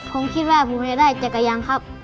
ผมคิดว่าผมจะได้จักรยานครับ